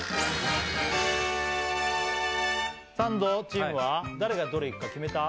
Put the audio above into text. サンドチームは誰がどれいくか決めた？